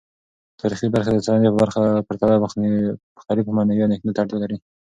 تاریخي برخې د رسنیو په پرتله مختلفو معنوي اندیښنو ته اړتیا لري.